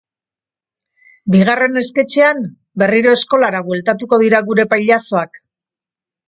Bigarren esketxean, berriro eskolara bueltatuko dira gure pailazoak.